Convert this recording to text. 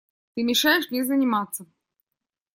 Ты мешаешь мне заниматься.